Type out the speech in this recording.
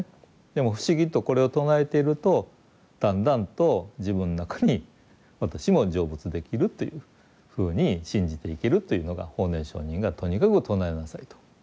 でも不思議とこれを唱えているとだんだんと自分の中に私も成仏できるというふうに信じて生きるというのが法然上人がとにかく唱えなさいと。